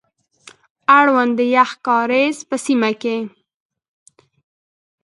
اړوند د يخ کاريز په سيمه کي،